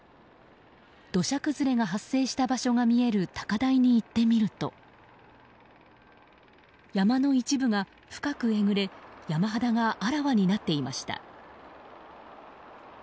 土砂崩れが発生した場所が見える高台に行ってみると山の一部が深くえぐれ山肌があらわになっていました。